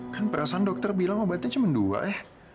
kan perasaan dokter bilang obatnya cuma dua ya